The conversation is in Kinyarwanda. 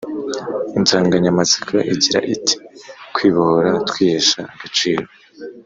insanganyamatsiko igira iti Kwibohora Twihesha Agaciro